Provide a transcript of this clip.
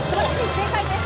正解です。